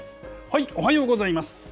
おはようございます。